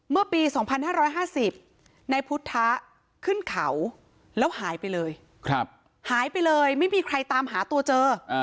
เมื่อปี๒๕๕๐นายพุทธะขึ้นเขาแล้วหายไปเลยหายไปเลยไม่มีใครตามหาตัวเจอ